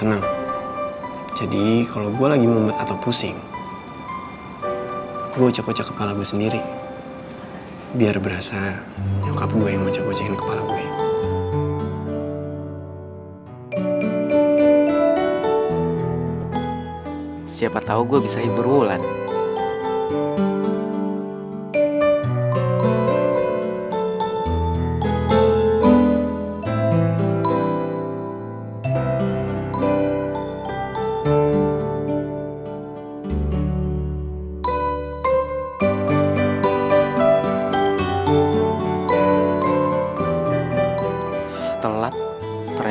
makanya dia disuruh ngerjain tugas tambahan supaya dapat nilai